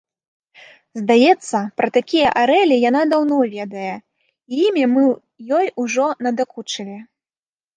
Здаецца, пра такія арэлі яна даўно ведае, і імі мы ёй ужо надакучылі.